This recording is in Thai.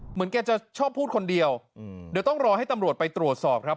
เหมือนแกจะชอบพูดคนเดียวเดี๋ยวต้องรอให้ตำรวจไปตรวจสอบครับ